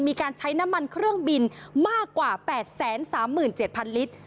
มีการใช้น้ำมันเครื่องบินมากกว่า๘๓๗๐๐ลิตร